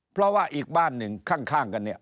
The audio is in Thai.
เพราะว่าอีกบ้านหนึ่งข้างกันเนี่ย